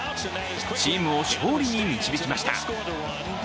チームを勝利に導きました。